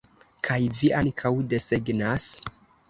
Kaj vi ankaŭ desegnas?